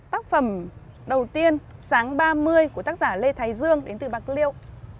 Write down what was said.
tác phẩm đầu tiên sáng ba mươi của tác giả lê thái dương đến từ bạc liêu